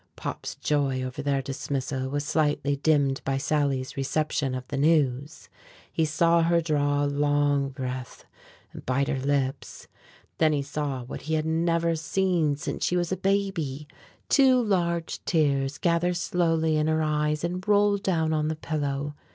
Pop's joy over their dismissal was slightly dimmed by Sally's reception of the news. He saw her draw a long breath and bite her lips; then he saw what he had never seen since she was a baby, two large tears gather slowly in her eyes and roll down on the pillow.